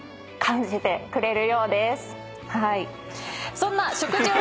そんな。